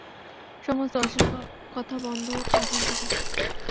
সমস্ত অশ্লীল কথা বন্ধ এখন থেকে।